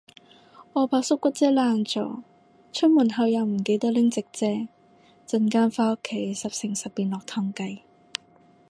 我把縮骨遮爛咗，出門口又唔記得拎直遮，陣間返屋企十成十變落湯雞